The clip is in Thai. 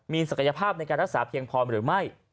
มีศักยภาพในการรักษาเพียงพอหรือไม่